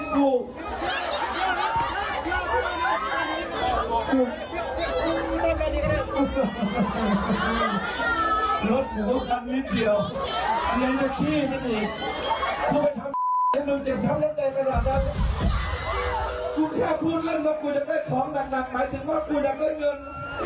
กูแค่พูดเรื่องว่ากูอยากได้ของหนักหมายถึงว่ากูอยากได้เงิน